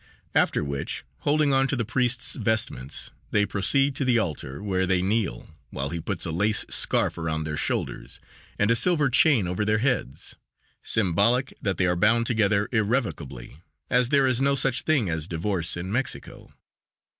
After which, holding on to the priest's vestments, they proceed to the altar, where they kneel while he puts a lace scarf around their shoulders and a silver chain over their heads; symbolic that they are bound together irrevocably, as there is no such thing as divorce in Mexico.